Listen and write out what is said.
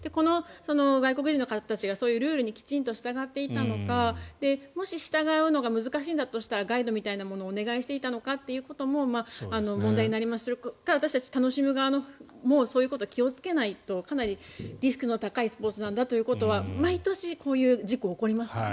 外国人の方たちがルールにきちんと従っていたのかもし従うのが難しいのだとしたらガイドみたいなものをお願いしていたのかも問題になりますし私たち楽しむ側もそういうことを気をつけないとかなりリスクの高いスポーツだとは毎年、こういう事故起こりますからね。